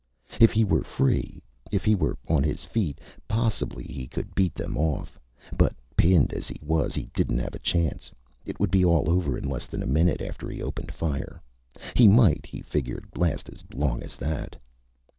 If he were free, if he were on his feet, possibly he could beat them off. But pinned as he was, he didn't have a chance. It would be all over less than a minute after he opened fire. He might, he figured, last as long as that.